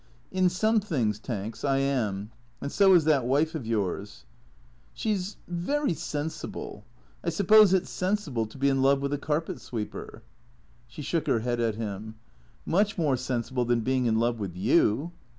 " In some things. Tanks, I am. And so is that wife of yours." " She 's — very sensible. I suppose it 's sensible to be in love with a carpet sweeper." She shook her head at him. " Much more sensible than being in love with you."